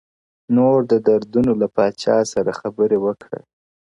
نور د دردونو له پاچا سره خبرې وکړه _